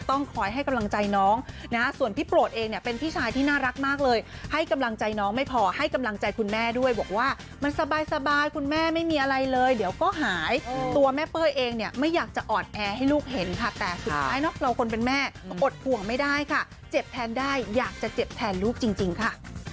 ต้องคอยให้กำลังใจน้องนะส่วนพี่โปรดเองเนี่ยเป็นพี่ชายที่น่ารักมากเลยให้กำลังใจน้องไม่พอให้กำลังใจคุณแม่ด้วยบอกว่ามันสบายคุณแม่ไม่มีอะไรเลยเดี๋ยวก็หายตัวแม่เป้ยเองเนี่ยไม่อยากจะอ่อนแอให้ลูกเห็นค่ะแต่สุดท้ายเนอะเราคนเป็นแม่ก็อดห่วงไม่ได้ค่ะเจ็บแทนได้อยากจะเจ็บแทนลูกจริงค่ะ